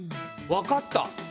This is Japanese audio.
分かった！